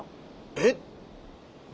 えっ？